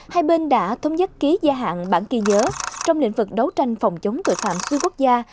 hai bên đã thống nhất ký gia hạn bản ghi nhớ trong lĩnh vực đấu tranh phòng chống tội phạm cư quốc gia